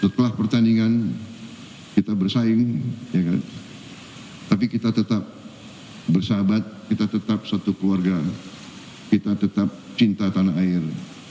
setelah pertandingan kita bersaing tapi kita tetap bersahabat kita tetap satu keluarga kita tetap cinta tanah air